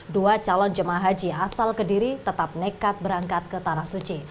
dua calon jemaah haji asal kediri tetap nekat berangkat ke tanah suci